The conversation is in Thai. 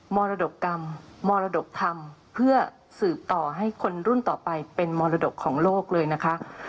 มรดกกรรมมรดกทำเพื่อสืบต่อให้คนรุ่นต่อไปเป็นมรดกของโลกเลยนะคะ